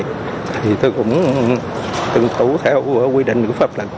thì tôi cũng tương thủ theo quy định của pháp luật